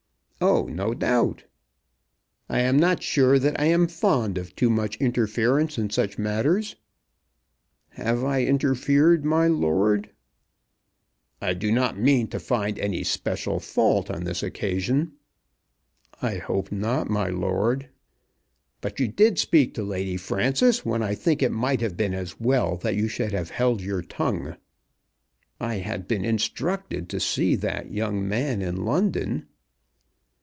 "Oh, no doubt!" "I am not sure that I am fond of too much interference in such matters." "Have I interfered, my lord?" "I do not mean to find any special fault on this occasion." "I hope not, my lord." "But you did speak to Lady Frances when I think it might have been as well that you should have held your tongue." "I had been instructed to see that young man in London."